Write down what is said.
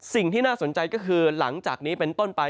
สิ่งที่น่าสนใจก็คือหลังจากนี้เป็นต้นไป